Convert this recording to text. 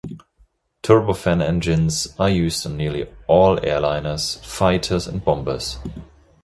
Turbofan engines are used on nearly all airliners, fighters, and bombers.